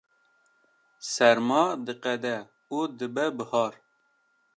serma diqede û dibe bihar